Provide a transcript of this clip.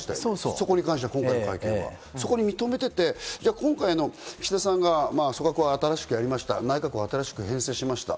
そこに関しては今回、認めていて、今回の岸田さんが組閣を新しくやりました、内閣を新しく編成しました。